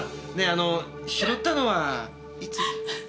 あの拾ったのはいつ？